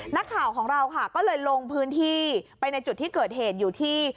นักข่าวของเราค่ะก็เลยลงพื้นที่ไปในจุดที่เกิดเหตุอยู่ที่